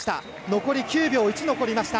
残り９秒１残りました。